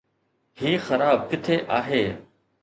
هي خراب ڪٿي آهي؟